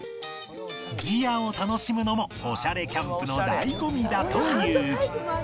ギアを楽しむのもおしゃれキャンプの醍醐味だという